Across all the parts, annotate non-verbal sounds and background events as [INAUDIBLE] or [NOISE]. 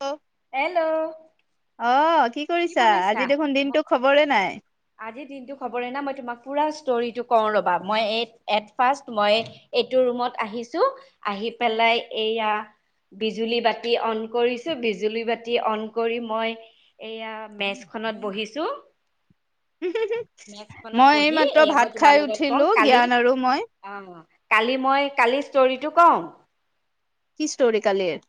ঔ হেল্ল' অ', কি কৰিছা, বনাইছা? আজি দেখোন ম দিনটো খবৰেই নাই। আজিৰ দিনটো খবৰে নাই, মই তোমাক পুৰা ষ্ট'ৰিটো কওঁ ৰ'বা, মই এ এত ফাৰ্ষ্ট মই এইটো ৰুমত আহিছো, আহি পেলাই এইয়া বিজুলী বাতি অন কৰিছোঁ বিজুলী বাতি অন কৰি মই এয়া মেজ খনত বহিছোঁ মেচখনত মই বহি এইমাত্ৰ এ ভাত মই খাই তোমাৰ লগত উঠিলো কওঁ কালি জ্ঞান আৰু মই। অ' কালি মই কালি ষ্টৰিটো কওঁ। কি ষ্টৰি কালিৰ?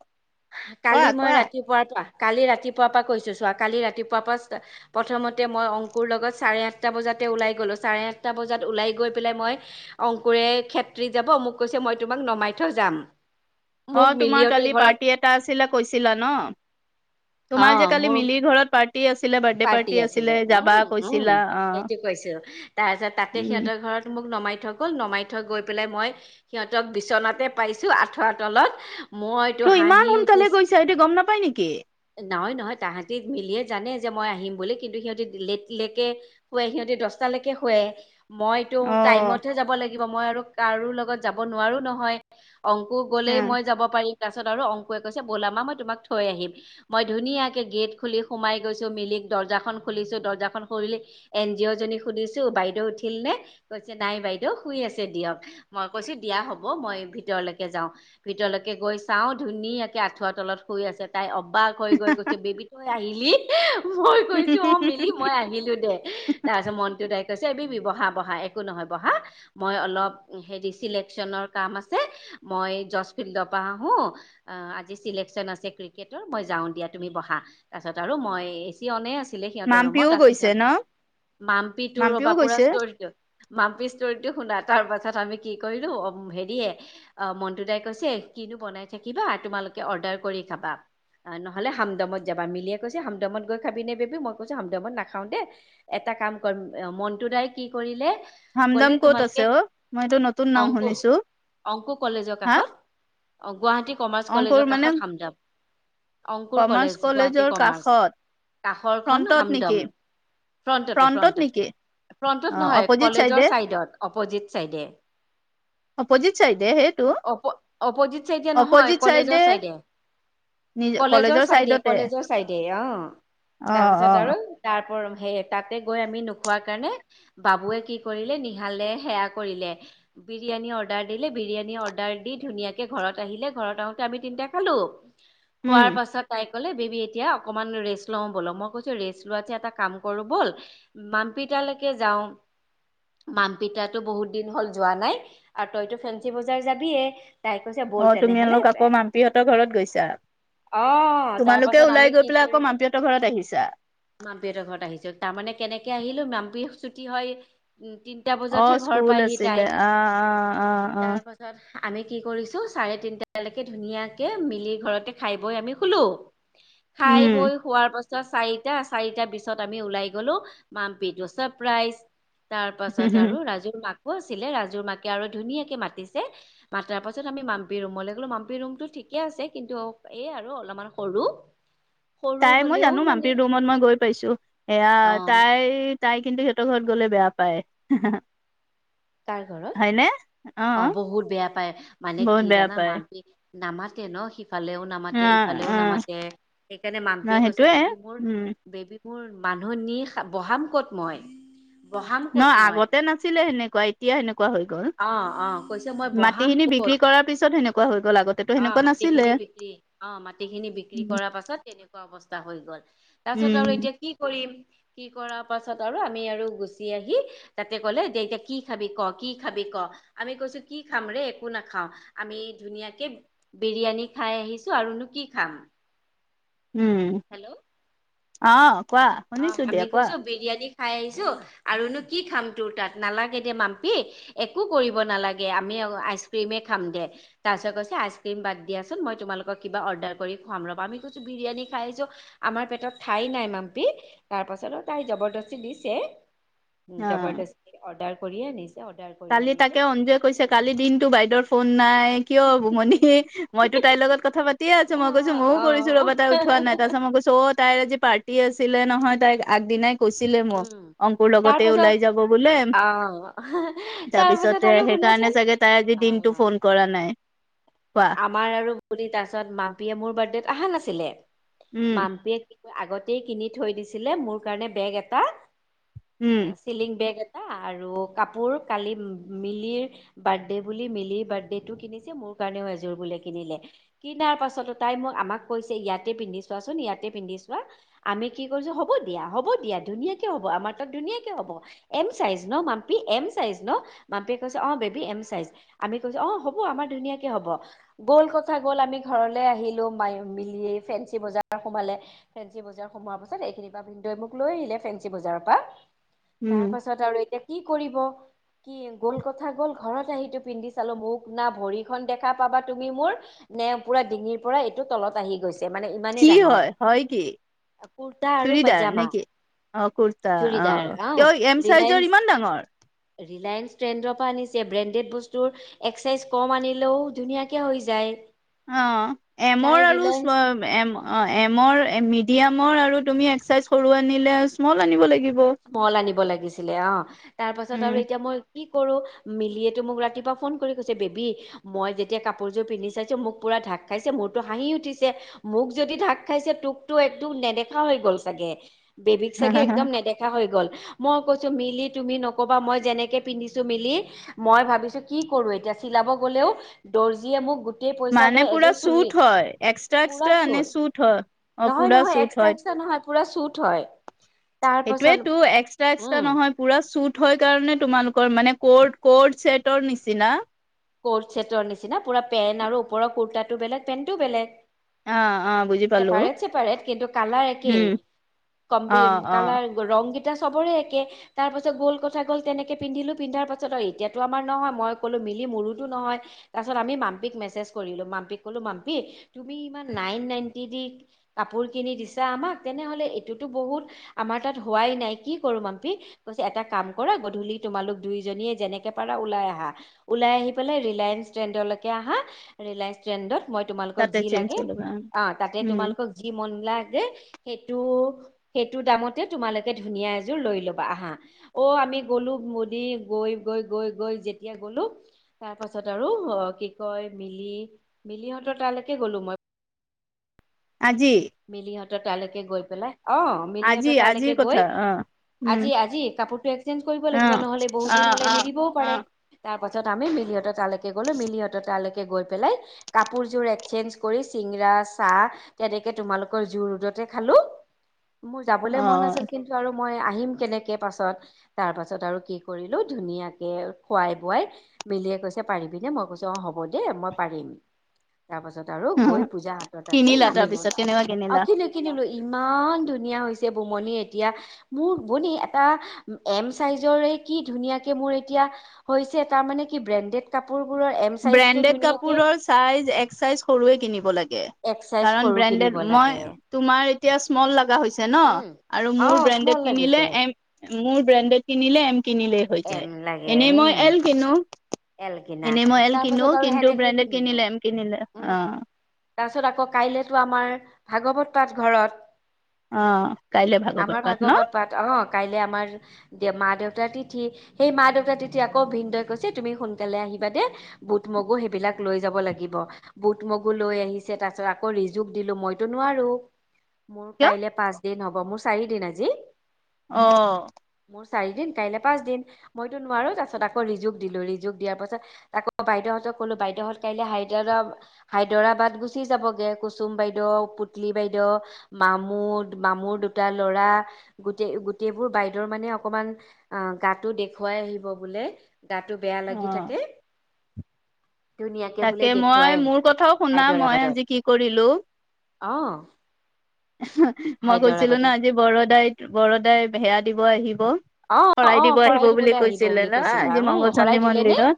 কালি কোৱা মই কোৱা? ৰাতিপুৱাটো কালি ৰাতিপুৱাৰ পৰা কৈছো চোৱা কালি ৰাতিপুৱাৰ পৰা প্ৰথমতে মই অংকুৰ লগত চাৰে আঠটা বজাত ওলাই গ'লো চাৰে আঠটা বজাত ওলাই গৈ পেলাই মই অংকুৰে খেত্ৰি যাব মোক কৈছে মই তোম নমাই থৈ যাম। মোক অ', তোমাৰ মিলিহঁতৰ কালি ঘৰত পাৰ্টি এ এটা আছিলে কৈছিলা ন', অ তোমাৰ যে মোৰ কালি মিলি ঘৰত পা পাৰ্টি আছিলে, উম কৈছিলা উম অ'। সেইটো কৈছো তাৰপিছত তাতে উম, সিহঁতৰ ঘৰ মোক নমাই থৈ গ'ল নমাই থৈ গৈ পেলাই মই সিহঁতক বিচনাতে পাইছো আঠুৱা তলত মইতো ত', ইমান হাঁহি সোনকালে উঠিছে গৈছা সিহঁতে গম নাপাই নেকি? নহয় নহয় তাহাঁতি মিলিয়ে জানে। যে মই আহিম বুলি কিন্তু সিহঁতি লেট লেকে শুৱে সিহঁতি দশটালৈকে শুৱে মইতটো অ' টাইমতহে যাব লাগিব মই আৰু কাৰো লগত যাব নোৱাৰো নহয়। অংকুৰ গ'লেই মই যাব পাৰিম। তাৰাছত আৰু অংকুৰে কৈছে ব'লা মা মই তোমাক থৈ আহিম, মই ধুনীয়াকে গেট খুলি সোমাই গৈছো মিলিক দৰ্জাখন খুলিছো দৰ্জাখন খুলি এন জি অ'। জনীক সুধিছো বাইদেউ উঠিল নে? কৈছে নাই বাইদেউ শুই আছে দিয়ক মই কৈছো দিয়া হ'ব মই ভিতৰলৈকে যাওঁ ভিতৰলৈকে গৈ চাও ধুনীয়াকে আঁঠুৱা তলত শুই আছে তাই অবাক হৈ গৈ কৈছে বেবী তই আহিলি মই কৈছো অ', মিলি মই আহিলো দে তাৰপিছত মনতটো তাই কৈছে এ বহা বহা একো নহয় বহা মই অলপ হেৰি চিলেকচনৰ কাম আছে মই জচ ফিল্ডৰ পৰা আহো অ', আজি চিলেকচন আছে ক্ৰিকেটৰ মই যাওঁ দিয়া তুমি বহা। তাৰ পাছত আৰু মই এ চি অনে আছে মাম্পিও গৈছে ন'। মাম্পীটো মাম্পিও ৰ'বা পুৰা গৈছে? ষ্টৰিটো মাম্পি ষ্টৰিটো শুনা তাৰ পাছত আমি কি কৰিলো অ', হেৰিয়ে অ মণ্টো দাই কৈছে কিনো বনাই থাকিবা তোমালোক অৰ্ডাৰ কৰি খাবা, নহ'লে হামদমত যাবা, মিলিয়ে কৈছে মদামত গৈ খাবি নে বেবি মই কৈছো হমদামত নাখাও দে এটা কাম কৰিম মণ্টো দাই কি কৰিলে ক'লে হামদাম ক'ত আছে তোমালোকে অ'? মইটো নতুন নাম অংকু শুনিছো। অংকু কলেজৰ হা কাষত গুৱাহাটী কমাৰ্চ অংকুৰ কলেজৰ মানে কাষত হামদাম অংকুৰ কমাৰ্চ কলেজ গুৱাহাটী কলেজৰ কমাৰ্চ, কাষত কাষৰখন ফ্ৰন্টত নেকি হামদম। ফ্ৰণ্টতে ফ্ৰন্টত ফ্ৰণ্টতে। নেকি অ ফ্ৰণ্টত নহয় অপজিত কলেজৰ চাইডে চাইডত অপজিত চাইডে। অপজিত চাইডে সেইটো অ', অপজিত চাইডে নহয় কলেজৰ চাইডে। নিজ কলেজৰ চাইডে চাইডতে কলেজৰ চাইডে অ', অ অ তাৰপিছত আৰু তাৰ সে তাতে গৈ আমি নোখোৱা কাৰণে বাবুৱে কি কৰিলে নিহালে সেয়া কৰিলে বিৰিয়ানী অৰ্ডাৰ দিলে বিৰিয়ানী অৰ্ডাৰ দি ধুনীয়াকে ঘৰত আহিলে ঘৰত আহোতে আমি তিনটা খালো। উম খোৱাৰ পাছত তাই ক'লে বেবী এতিয়া অকমান ৰেষ্ট লও বলো মই কৈছো ৰেষ্ট লোৱাতে এটা কাম কৰো ব'ল মাম্পিতালৈকে যাওঁ। মাম্পিতাটো বহুত দিন হ'ল যোৱা নাই আৰু তইতো ফেঞ্চি বজাৰ যাবিয়ে তাই কৈছে ব'ল অ', তেনেহলে তুমালোক আকৌ মাম্পীহঁতৰ ঘৰত গৈছা। অ', তাৰ তোমালোকে পাছত ওলাই আমি গৈ কি পেলাই আকৌ কৰিলো? মাম্পিহঁতৰ ঘৰত আহিছা মাম্পিহঁতৰ ঘৰত আহিছো, তাৰমানে কেনেকে আহিলো মাম্পিহ ছুটি হয় উ তিনিটা অ বজাতহে ঘৰ স্কুল পায়হি আছিলে তাই, অ অ অ অ তাৰ পাছত আমি কি কৰিছো চাৰে তিনটালৈকে ধুনীয়াকে মিলি ঘৰতে খাই বৈ আমি শুলো খাই উম বৈ হোৱাৰ চাৰিটা চাৰিটাৰ পিছত আমি ওলাই গ'লো মাম্পিটো ছাৰপ্ৰাইজ তাৰ পাছত আৰু ৰাজুৰ মাক ব আছিলে ৰাজুৰ মাকে আৰু ধুনীয়াকে মাতিছে মাতাৰ পাছত আমি মাম্পি ৰুমলৈ গ'লো মাম্পি ৰুমতো ঠিক ঠিকে আছে কিন্তু এ আৰু অলপমান সৰু সৰু তাই মই হলেও জানো মানে মম্পিৰ ৰুমত মই গৈ পাইছো অ এয়া তাই তাই কিন্তু সিহঁতৰ ঘৰত গ'লে বেয়া পায়। কাৰ ঘৰত হয়নে অ', বহুত বেয়া পায় মানে বহুত কি বেয়া জানা পায় মাম্পি নামাতে ন' ইফালেও অ নামাতে ইফালেও অ নামাতে সেইকাৰণে ন মাম্পীয়ে কৈছে সেইটোয়ে বেবী মোৰ, উম বেবী মোৰ মানুহ নি বঢ়াম ক'ত মই? বহাম ক'ত নহ মই আগতে নাছিলে সেনেকুৱা এতিয়া সেনেকুৱা হৈ গ'ল, অ অ কৈছে মই বহাম মাটিখিনি বিক্ৰী কৰাৰ পিছত সেনেকুৱা হৈ গ'ল আগতেতো সেনেকুৱা নাছিলে। বিক অ', মাটি খিনি বিক্ৰী কৰাৰ পাছত তেনেকুৱা অৱস্থা হৈ গ'ল তাৰ পিছত আৰু উম এতিয়া কি কৰিম? কি কৰা পাছত আৰু আমি আৰু গুচি আহি তাতে ক'লে দে এতিয়া কি খাবি ক কি খাবি ক' আমি কৈছো কি খাম ৰে একো নাখাও আমি ধুনীয়াকে বিৰিয়ানী খাই আহিছো আৰুনো কি খাম? উম হেল্ল'। অ', কোৱা অ শুনিছো আমি দিয়া কোৱা। কৈছো বিৰিয়ানী খাই আহিছো আৰুনো কি খাম তোৰ তাত নালাগে দে মাম্পী একো কৰিব নালাগে আমি আইচক্ৰিমে খাম দে তাৰপিছত কৈছে আইচক্ৰীম বাদ দিয়াচোন, মই তোমালোকক কিবা অৰ্ডাৰ কৰি খুৱাম দিয়া। আমি কৈছো বিৰিয়ানী খাইছো আমাৰ পেটত ঠাই নাই মাম্পি তাৰপাছত তাই জবৰস্তি দিছে, অ জবৰদস্তি অৰ্ডাৰ কৰি কৰি আনিছে অৰ্ডাৰ কালি তাকে অঞ্জুৱে কৈছে কালি দিনটো বাইদেউৰ ফোন নাই কিয় বুমনি মইতো তাইৰ লগত কথা পাতিয়ে আছো অ মই কৈছো ময়ো অ কৰিছো ৰ'বা তাই উঠোৱা নাই তাৰপাছত মই কৈছো অত তাইৰ আজি পাৰ্টি আছিলে নহয় তাইক আগদিনাই কৈছিলে মোক উম অংকুৰ তাৰ লগতে পাছত ওলাই যাব বোলে আহ তাৰ পাছত তাৰপিছতে আৰু সেইকাৰণে শুনাচোন চাগে তাই আজি দিনতটো অ ফোন কৰা নাই। কোৱা আমাৰ আৰু [UNINTELLIGIBLE] তাৰপিছত মাম্পীয়ে মোৰ বাৰ্থডেত অহা নাছিলে উম, মাম্পীয়ে আগতেই কিনি থৈ দিছিলে মোৰ কাৰণে বেগ এটা, উম, চিলিং বেগ এ আৰু কাপোৰ কালি মিলিৰ বাৰ্থডে বুলি মিলিৰ বাৰ্থডেটো কিনিছে মোৰ কাৰণেও এযোৰ ৰ বোলে কিনিলে, কিনাৰ পাছতো তাই মোক আমাক কৈছে ইয়াতে পিন্ধি চোৱাচোন ইয়াতে পিন্ধি চোৱা আমি কি কৰিছো হ'ব দিয়া হ'ব দিয়া ধুনীয়াকে হ'ব আমাৰ তাত ধুনীয়াকে হ'ব এম চাইজ ন', মাম্পি পি এম চাইজ ন' মাম্পীয়ে কৈছে অ', বেবী এম চাইজ আমি কৈছো অ', হ'ব আমাৰ ধুনীয়াকে হ'ব। গ'ল কথা গ'ল আমি ঘৰলে আহিলো ম মিলি ফেঞ্চি বজাৰ সোমালে ফেঞ্চি বজাৰ সোমোৱাৰ পাছত এইখিনি পৰা ভিন্দই মোক লৈ আহিলে ফেঞ্চি বজাৰৰ পৰা উম, তাৰ পাছত আৰু এতিয়া কি কৰিব? কি গ'ল কথা গ'ল ঘৰত আহি পিন্ধি চালো মোক না ভৰিখন দেখা পাবা তুমি মোৰ নে পুৰা ডিঙিৰ পৰা এইটো তলত আহি গৈছ। কি হয় হয় কি। কুৰ্তা আৰু চুৰিদাৰ পাজামা। নেকি? অ কুুৰ্তা অ কিয় এম চাইজৰ ৰিলায়েন্স ইমান ডাঙৰ। ৰিলায়েন্স ট্ৰেণ্ডৰ পৰা আনিছে ব্ৰেণ্ডেড বস্তুৰ এক চাইজ কম আনিলেও। ধুনীয়াকে হৈ যায়। অ', তাই এমৰ আৰু ৰিলায়েন্স এম অ এমৰ মি ডায়ামৰ আৰু তুমি এক চাইজ সৰু আনিলে স্মল আনিব লাগিব। মল আনিব লাগিছিলে অ', তাৰ পাছত উম, আৰু এতিয়া মই কি কৰো মিলিয়েতো মোক ৰাতিপুৱা ফোন কৰি কৈছে বেবী মই যেতিয়া কাপোৰযোৰ পিন্ধি চাইছো মোক পুৰা ঢাক খাইছে মোৰতো হাঁহি উঠিছে মোক যদি ঢাক খাইছে তোকতো একদম নেদেখা হৈ গ'ল চাগে। বেবিক চাগে একদম নেদে হৈ গ'ল মই কৈছোঁ মিলি তুমি নকবা মই যেনেকে পিন্ধিছো মিলি মই ভাবিছোঁ কি। কৰোঁ এতিয়া চিলাব গ'লেও দৰ্জীয়ে মোক গ। গোটেই পইচা মানে লৈ পুৰা এযোৰ চুৰি চুট হয়, এক্সট্ৰা পুৰা এক্সট্ৰা আনে চুৰ চুট হয়। অ', নহয় পুৰা নহয় চুট এক্সট্ৰা হয়, এক্সট্ৰা নহয়। পুৰা চুট হয় তাৰপাছত। [UNINTELLIGIBLE] এক্সট্ৰা এক্সট্ৰা নহয় পুৰা। চুট হয় কাৰণে তোমালোকৰ মানে কোৰ্ট কোৰ্ট ছেটৰ নিচিনা। কৰ্ট ছেটৰ নিচিনা পুৰা পেণ্ট আৰু ওপৰৰ কুৰ্তাটো বেলেগ পেণ্টো বেলেগ। অ', অ', বুজি পালো চেপাৰেট চেপাৰেট কিন্তু কালাৰ একেই। উম, কম্বিৰ অ', অ'। কালাৰ ৰং। এতিয়া চবৰে একে তাৰ পাছত গ'ল কথা গ'ল তেনেকে পিন্ধিলো পিন্ধাৰ পাছত আৰু এতিয়াতো আমাৰ নহয় মই ক'লো মিলি মোৰো। নহয় তাৰ পাছত আমি মাম্পিক মেছেজ কৰিলোঁ মাম্পিক ক'লো মাম্পি তুমি ইমান নাইন নাইন্তি। কাপোৰ কিনি দিছা আমাক তেনেহ'লে এইটোতো বহুত আমাৰ তাত হোৱাই নাই কি কৰোঁ। [UNINTELLIGIBLE] [UNINTELLIGIBLE] কৈ এটা কাম কৰা গধূলি তোমালোক দুইজনীয়ে যেনেকে পাৰা ওলাই আহা উলাই আহি। পেলে ৰিলায়েন্স ট্ৰেণ্ডলৈকে আহা ৰিলায়েন্স ট্ৰেণ্ডত। মই তোমালোকক তাতে যি চেঞ্জ লাগে কৰি ল'বা অ তাতে উম তোমালোকক যি মন। [UNINTELLIGIBLE] দেই সেইটো সেইটো দামতে তোমালোকে ধুনীয়া এযোৰ লৈ লবা আহা অ। আমি গ'লো মোদী গৈ গৈ গৈ গৈ যেতিয়া গ'লো। তাৰ পাছত আৰু অ কি কয় মিলি মিলিহঁতৰ তালৈকে গ'লো মই। আজি। [UNINTELLIGIBLE] তালৈকে গৈ পেলাই অ আজি মিলিহঁতৰ আজিৰ তালৈকে কথা গৈ। অ উম আজি আজি কাপোৰটো এক্সেঞ্জ কৰিব অ লাগিব নহলে বহুত অ দিন হ'লে অ নিদিবও অ পাৰে তাৰ। পাছত আমি মিলহঁতৰ তাৰলৈকে গ'লো মিলিহঁতৰ তাৰলৈকে। [UNINTELLIGIBLE] গৈ পেলাই কাপোৰযোৰ এক্সচেঞ্জ কৰি চিংৰা চাহ তেনেকে। তোমালোকৰ জু ৰদতে খালোঁ মোৰ যাবলে অ মন আছিল কিন্তু আৰু। মই আহিম কেনেকে পাছত, তাৰপাছত আৰু কি কৰিলোঁ ধুনীয়াকে খুৱাই বোৱাই। বেলিয়ে কৈছে পাৰিবিনে, মই কৈছো অ হ'ব দে মই পাৰিম। তাৰ পাছত আৰু গৈ পূজাহঁতৰ তাতে কিনিলা নামি তাৰপিছত ললো কেনেকুৱা অ', কিনিলা কিনি কিনিলো। ইমান ধুনীয়া হৈছে বুমনি এতিয়া, মোৰ [UNINTELLIGIBLE] এটা এম চাইজৰ। কি ধুনীয়াকে মোৰ এতিয়া হৈছে তাৰমানে কি ব্ৰেণ্ডেড কাপোৰ। ব্ৰেণ্ডেড কাপোৰৰ চাইজ, এক চাইজ সৰুৱেই কিনিব লাগে এক চাইজ কাৰণ সৰু ব্ৰে। কিনিব ণ্ডেড লাগে মই তুমাৰ এতিয়া স্মল লগা হৈছে। হৈছে নহ, উম আৰু অ মোৰ স্মল ব্ৰেণ্ডেড কিনিলে লাগিছে এম, মোৰ ব্ৰেণ্ডেড কিনিলে এম। কিনিলেই হৈ যায়, এম লাগে এনেই মই উম এল কিনো, এনে মই এল। কিনো তাৰপিছত আৰু কিন্তু সেনেকেই ব্ৰেণ্ডেড কিনিলোঁ, কিনিলে এম কিনিলে অ উম। তাৰপিছত আকৌ কাইলেতো আমাৰ ভাগৱত পাঠ ঘৰত। অ আমাৰ ভাগৱত পাঠ, অ', কাইলে আমাৰ দে মা-দেউতাৰ তি। থি সেই মা-দেউতা তেতিয়া আকৌ ভিনদেউৱে কৈছে তুমি সোনকালে আহিবা দেই, বুট মগু সেইবিলাক লৈ যাব। লাগিব, বুট মগু লৈ আহিছে, তাৰ পিছত আকৌ ৰিজুক দিলোঁ, মইতো নোৱাৰো। মোৰ কিয় কাইলে পাঁচ দিন হ'ব, মোৰ চাৰি দিন আজি। অহ। মোৰ চাৰিদিন, কাইলৈ পাঁচদিন, মইতো নোৱাৰো তাৰ পিছত আকৌ ৰিজুক দিলো, ৰিজুক দিয়াৰ পাছত আকৌ বাইদেউহঁতক ক'লো বাইদেউহঁত কাইলৈ হাইদৰা হাইদৰাবাদ গুচি যাবগে কুচুম বাইদেউ, পুতলি বাইদেউ মামু, মামুৰ দুটা ল'ৰা, গোটেই গোটেইবোৰ বাইদেউৰ মানে অকমান অ', গাটো দেখুৱাই আহিব বোলে, গাটো বেয়া লাগি থাকে। ধুনীয়াকে বোলে তাকেই দেখুৱাই মই, আহিব মোৰ কথাও শুনা, মই আজি কি কৰিলোঁ। অহ। মই কৈছিলোঁ নহ আজি বৰদায়ে বৰদায়ে ভেৰা দিব আহিব। অ অ শৰাই দিব আহিব বুলি দিবলৈ আহিব কৈছিলে বুলি ন', কৈছিলা আজি উম মংগল শৰাই চন্দী দিলে নে মন্দিৰত।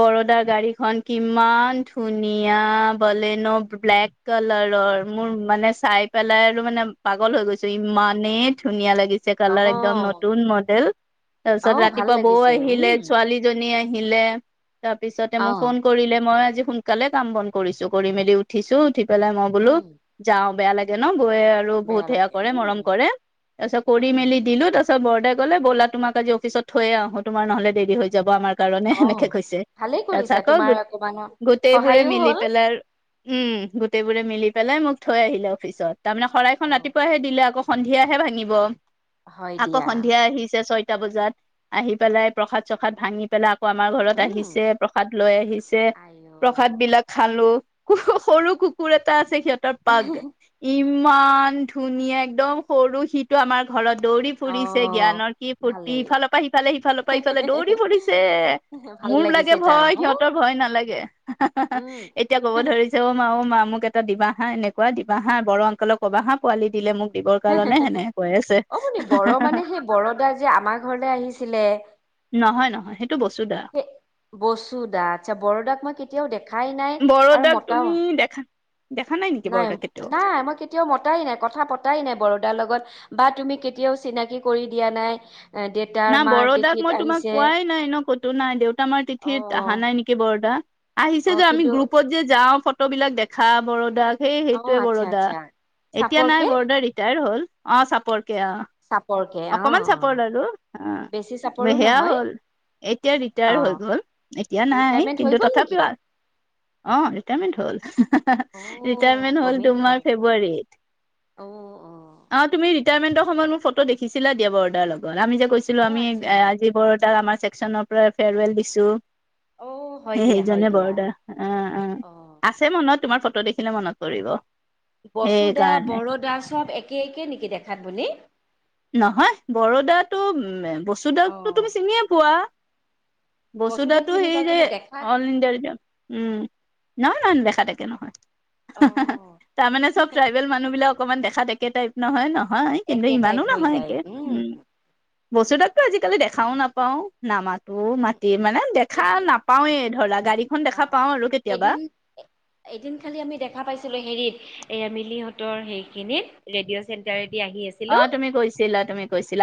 বৰোদা গাড়ীখন কি ইমান ধুনীয়া বলেন' ব্লেক কালাৰৰ মোৰ মানে চাই পেলাই আৰু মানে পাগল হৈ গৈছো, ইমানেই ধুনীয়া লাগিছে অ কালাৰ একদম নতুন মডেল, অ তাৰপিছত ভাল ৰাতিপুৱা বৌ লাগিছে আহিলে উম ছোৱালীজনী আহি লে তাৰপিছতে মোক ফোন অ', কৰিলে মই আজি সোনকালে কাম বন কৰিছো, কৰি মেলি উঠিছো, উঠি পেলাই মই বোলো উম, যাওঁ বেয়া লাগে ন'। আৰু বেয়া বহুত সেয়া লাগে কৰে, উম, মৰম কৰে, তাৰ পিছত কৰি উম, মেলি দিলো তাৰপাছত বৰদেই কলে ব'লা তোমাক আজি অফিছত থৈ আহো তোমাৰ নহ'লে দেৰি হৈ যাব আমাৰ কাৰণে সেনেকে অ', কৈছে, ভালেই তাৰপিছত কৰিছা আকৌ তোমাৰ অকমান গোটেইবোৰে সহায়ো মিলি হ'ল পেলাই উম গো গোটেইবোৰে মিলি পেলাই মোক থৈ আহিলে অফিচত, তাৰমানে শৰাইখন অ', ৰাতিপুৱাহে দিলে আক' সন্ধিয়াহে ভাঙিব। হয় আকৌ দিয়া সন্ধিয়া আহিছে ছয়টা বজাত, আহি পেলাই প্ৰসাদ চসাদ ভাঙি পেলাই আকৌ আমাৰ ঘৰত উম, আহিছে, প্ৰসাদ লৈ আহিছে, আইঅ প্ৰসাদ বিলাক খালো। ক, সৰু কুকুৰ এটা আছে সিহঁতৰ পাগ ইমান ধুনীয়া একদম সৰু সিটো আমাৰ ঘৰত দৌৰি ফুৰিছে, অ', জ্ঞানৰ কি ফূৰ্তি, ভালেই ইফালৰ পৰা সিফালে সিফালৰ পৰা ইফালে দৌৰি ফুৰিছে। ভাল মোৰ লাগে লাগিছে তাৰ ন' ভয় সিহঁতৰ ভয় নালাগে, উম, এতিয়া ক'ব ধৰিছে অ', মা, অ', মা মোক এটা দিবা হা এনেকুৱা দিবা হা বৰ' আংকলক ক'বা হা পোৱালি দিলে মোক দিবৰ হা হা। কাৰণে সেনেকে কৈ আছে অপনি বৰ' মানে সেই বৰদা যে আমাৰ ঘৰলে আহিছিলে নহয় নহয় সেইটো বসুধা সেই বসু দা, আচ্ছা বৰোদাক মই কেতিয়াও দেখা খাই নাই আৰু বৰদাক তুমি মতাও দেখা দেখা নেকি নাই, বৰদাক কেতিয়াও নাই মই কেতিয়াও মতাই নাই, কথা পতাই নাই বৰোদাৰ লগত বা তুমি কেতিয়াও চিনাকি কৰি দিয়া নাই। এ দেউতাৰ না মাৰ বৰদাক তিথিত মই তোমাক আহিছে কোৱাই নাই ন'। নাই দেউতা আমাৰ অ তিথিত অহা নাই নেকি বৰদা আহিছে অ যে আমি কিন্তু গ্ৰুপত যে যাওঁ ফটো বিলাক দেখা বৰদাক, সেই অ সেইটোৱে আচ্ছা বৰদা। আচ্ছা এতিয়া নাই চাপৰকে বৰোদা ৰিটায়াৰ হ'ল। অ', চাপৰকে অ', চাপৰকে অ অকমান অ চাপৰ আৰু। অ', বেছি তমই চাপৰো সেয়া নহয় হ'ল। এতিয়া ৰিটায়াৰ অ হৈ গ'ল এতিয়া নাই, ৰিটায়াৰমেন্ট হৈ কিন্তু গ'ল তথাপিও নেকি অ', ৰিটায়াৰমেণ্ট হ'ল, অ ৰিটাৰমেণ্ট হ'ল গমেই তোমাৰ নাপালো ফেব্ৰুৱাৰীত। অ অ অ', তুমি ৰিটায়াৰমেণ্টৰ সময়ত মোৰ ফটো দেখিছিলা দিয়া বৰদাৰ লগত আমি যে অ কৈছিলোঁ আমি আচ্ছা আজি বৰদাৰ আমাৰ ছেকচ্‌নৰ পৰা ফেয়ৰৱেল দিছো। অ হয় সেই দিয়া হয় সেইজনে দিয়া বৰদা আহ অ', আছে মনত তোমাৰ ফ ফটো দেখিলে মনত পৰিব। বচু দা সেইকাৰণে বৰদা চব একে একে নেকি দেখাত বুলি নহয় বৰদাতটো উ বসু অ দাকতো তুমি চিনিয়ে পোৱা। বসু বসুদাক দাটো চিনি সেই পাওঁ যে কিন্তু দেখাত অল ইণ্ডিয়াৰ ব্যাম [UNINTELLIGIBLE] উম নহয় নহয় দেখাত একে নহয়। অ' তাৰমানে চব ট্ৰাইবেল মানুহবিলাক অকমান দেখাত একে টাইপ নহয় নহয় কিন্তু একে ইমানো টাইপ হৈ নহয় যায় একে উম বস্তু তাকটো আজিকালি দেখাও নাপাও, নামাত তও উম, মাতি উম। মানে দেখা এদিন নাপাওৱেই ধৰা গাড়ীখন দেখা অ' পাওঁ আৰু কেতিয়াবা। এদিন এদিন খালি আমি দেখা পাইছিলোঁ হেৰিত এয়া মিলিহঁতৰ সেইখিনিত, ৰেডিঅ' চেণ্টাৰ অ', তুমি কৈছিলা, তুমি কৈছিলা।